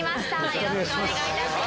よろしくお願いします。